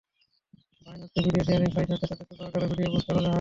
Vine হচ্ছে video sharing site যাতে ছোট আকারের ভিডিও পোস্ট করা হয়।